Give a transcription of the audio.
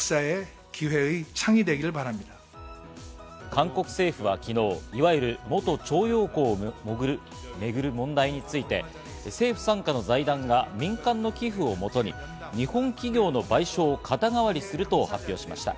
韓国政府は昨日、いわゆる元徴用工をめぐる問題について、政府傘下の財団が民間の寄付をもとに日本企業の賠償を肩代わりすると発表しました。